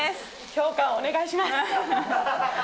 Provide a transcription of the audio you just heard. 評価をお願いします。